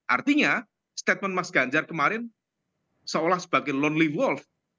artinya statement mas ganjar kemarin seolah sebagai lonely walf